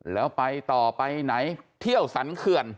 แล้วไปต่อไปไหนเที่ยวสรรเขื่อน